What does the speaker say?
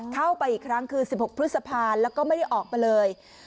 เข้าไปอีกครั้งคือ๑๖พฤษภาแล้วก็ไม่ได้ออกไปเลย